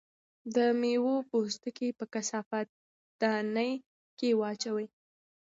د مېوو پوستکي په کثافاتدانۍ کې واچوئ.